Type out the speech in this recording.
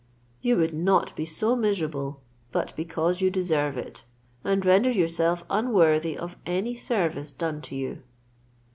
You would not be so miserable, but because you deserve it, and render yourself unworthy of any service done to you."